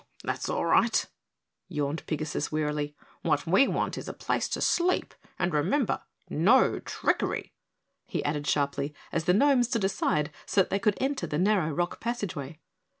"Oh, that's all right," yawned Pigasus wearily, "what we want is a place to sleep, and remember no trickery!" he added sharply as the Gnome stood aside so that they could enter the narrow rock passageway.